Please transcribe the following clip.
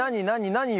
何よ？